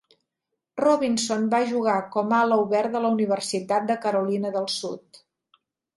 Robinson va jugar com ala obert a la Universitat de Carolina del Sud.